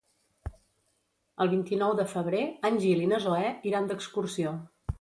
El vint-i-nou de febrer en Gil i na Zoè iran d'excursió.